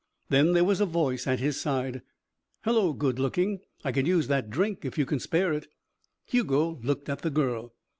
Then there was a voice at his side. "Hello, good looking. I could use that drink if you can spare it." Hugo looked at the girl.